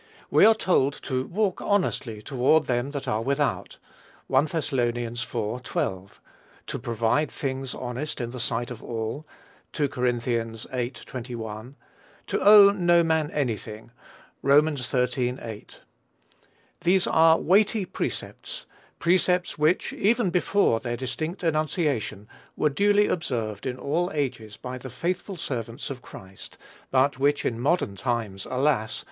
We are told to "walk honestly toward them that are without;" (1 Thess. iv. 12:) "to provide things honest in the sight of all;" (2 Cor. viii. 21:) "to owe no man any thing;" (Rom. xiii. 8.) These are weighty precepts, precepts which, even before their distinct enunciation, were duly observed in all ages by the faithful servants of Christ, but which in modern times alas!